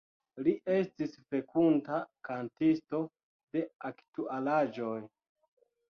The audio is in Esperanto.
Li estis fekunda kantisto de aktualaĵoj.